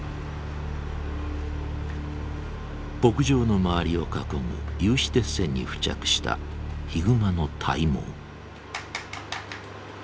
牧場の周りを囲む有刺鉄線に付着したヒグマの体毛。